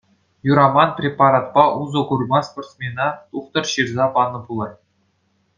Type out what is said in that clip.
Юраман препаратпа усӑ курма спортсмена тухтӑр ҫырса панӑ пулать.